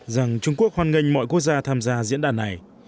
rằng trung quốc hoan nghênh mọi quốc gia tham gia diễn đàn này